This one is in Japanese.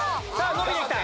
伸びてきた！